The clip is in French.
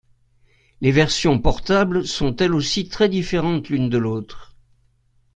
Les versions portables sont elles aussi très différentes l’une de l’autre.